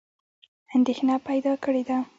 اندېښنه پیدا کړې ده.